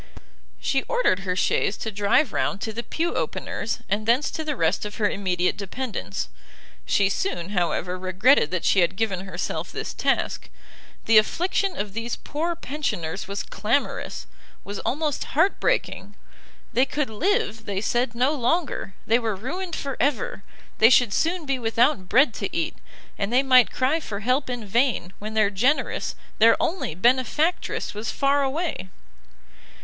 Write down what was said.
She ordered her chaise to drive round to the pew opener's and thence to the rest of her immediate dependents. She soon, however, regretted that she had given herself this task; the affliction of these poor pensioners was clamorous, was almost heart breaking; they could live, they said, no longer, they were ruined for ever; they should soon be without bread to eat, and they might cry for help in vain, when their generous, their only benefactress was far away!